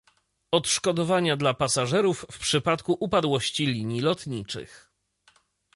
Odszkodowania dla pasażerów w przypadku upadłości linii lotniczych